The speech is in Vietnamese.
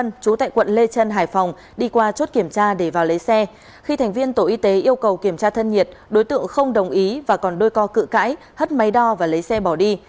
những thành viên tổ y tế yêu cầu kiểm tra thân nhiệt đối tượng không đồng ý và còn đôi co cự cãi hất máy đo và lấy xe bỏ đi